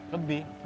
lebih dari dua kilo